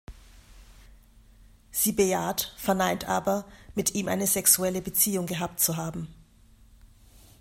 Sie bejaht, verneint aber, mit ihm eine sexuelle Beziehung gehabt zu haben.